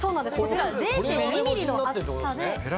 ０．２ミリの厚さで。